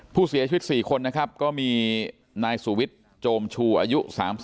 ผู้เสียชีวิต๔คนนะครับก็มีนายสุวิทย์โจมชูอายุ๓๒